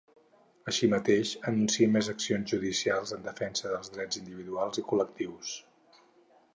Així mateix, anuncia més accions judicials en defensa dels drets individuals i col·lectius.